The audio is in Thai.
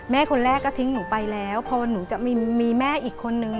คนแรกก็ทิ้งหนูไปแล้วพอหนูจะมีแม่อีกคนนึง